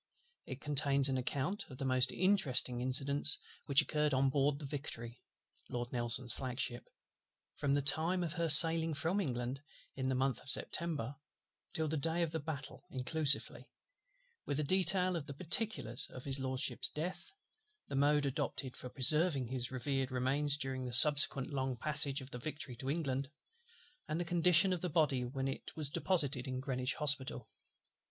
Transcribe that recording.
It contains an account of the most interesting incidents which occurred on board the Victory. (Lord NELSON's flag ship) from the time of her sailing from England, in the month of September, till the day of battle inclusively; with a detail of the particulars of HIS LORDSHIP'S Death, the mode adopted for preserving his revered Remains during the subsequent long passage of the Victory to England, and the condition of the Body when it was deposited in Greenwich Hospital.